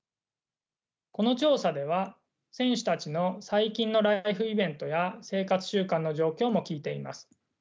この調査では選手たちの最近のライフイベントや生活習慣の状況も聞いています。